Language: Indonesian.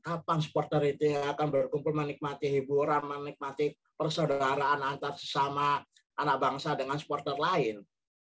kapan supporter itu akan berkumpul menikmati hiburan menikmati persaudaraan antar sesama anak bangsa dengan supporter lain